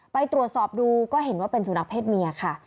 ไปตรวจสอบดูก็เห็นว่าเป็นสุนัขเพศเมียค่ะ